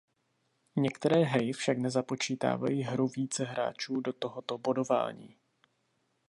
Některé hry však nezapočítávají hru více hráčů do tohoto bodování.